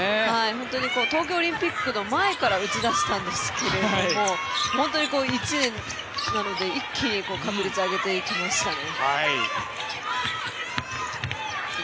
本当に東京オリンピックの前から打ち出したんですけれども、本当一気に確率上げていきましたね。